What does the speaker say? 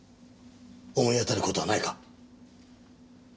思い当たる事はないか？